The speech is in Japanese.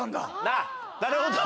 なるほど。